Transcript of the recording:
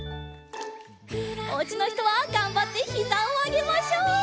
おうちのひとはがんばってひざをあげましょう！